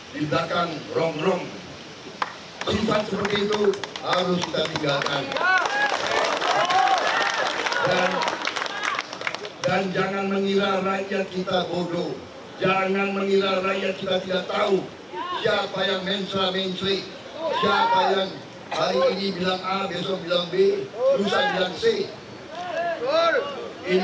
bapak ibu jualan sekalian